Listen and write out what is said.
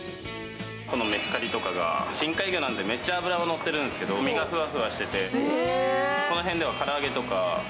このメヒカリとかが深海魚なんでめっちゃ脂がのってるんですけど身がふわふわしてて。